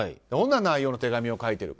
どんな内容の手紙か。